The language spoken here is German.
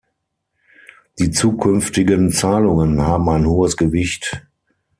Die zukünftigen Zahlungen haben ein hohes Gewicht.